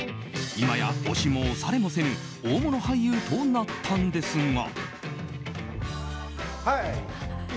今や押しも押されもせぬ大物俳優となったんですが。